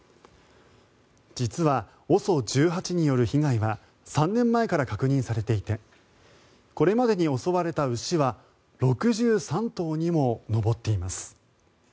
実はＯＳＯ１８による被害は３年前から確認されていてこれまでに襲われた牛は６３頭にも上っています。